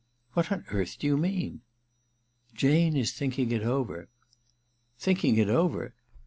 *What on earth do you mean ?'* Jane is thinking it over.' * Thinking it over